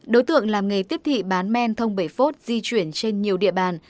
đối tượng làm nghề tiếp thị bán men thông bảy phốt di chuyển trên nhiều địa bàn